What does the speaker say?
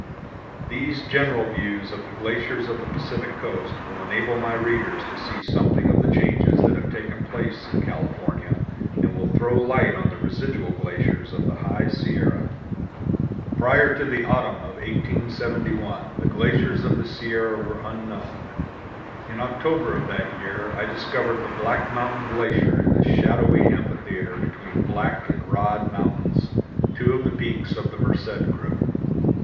These general views of the glaciers of the Pacific Coast will enable my readers to see something of the changes that have taken place in California, and will throw light on the residual glaciers of the High Sierra. Prior to the autumn of 1871 the glaciers of the Sierra were unknown. In October of that year I discovered the Black Mountain Glacier in a shadowy amphitheater between Black and Rod Mountains, two of the peaks of the Merced group.